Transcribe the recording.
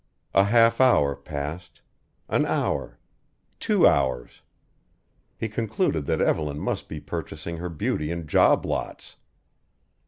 A half hour passed; an hour two hours. He concluded that Evelyn must be purchasing her beauty in job lots.